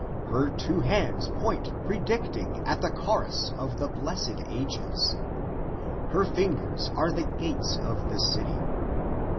Her two hands point predicting at the chorus of the blessed ages, Her fingers at the gates of the city.